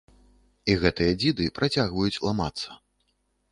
І гэтыя дзіды працягваюць ламацца.